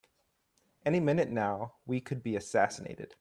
Any minute now we could be assassinated!